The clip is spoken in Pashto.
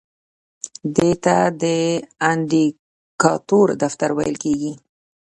دې ته د اندیکاتور دفتر ویل کیږي.